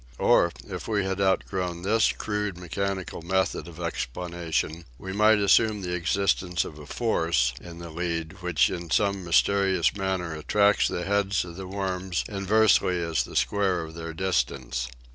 Or if we had outgrown this crude mechanical method of ex planation we might assume the existence of a " force " in the lead which in some mysterious manner attracts the heads of the worms inversely as the square of their distance.